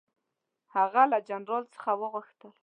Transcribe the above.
هغه له جنرال څخه وغوښتل.